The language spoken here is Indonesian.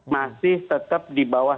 masih tetap di bawah